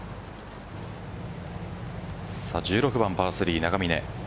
１６番パー３永峰。